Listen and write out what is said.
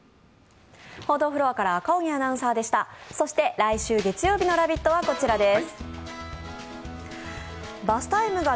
そして来週月曜日の「ラヴィット！」はこちらです。